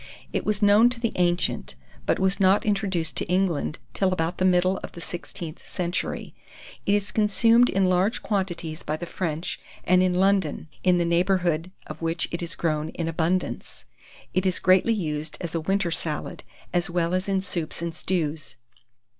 It was known to the ancients; but was not introduced to England till about the middle of the 16th century. It is consumed in large quantities by the French, and in London, in the neighbourhood of which it is grown in abundance; it is greatly used as a winter salad, as well as in soups and stews.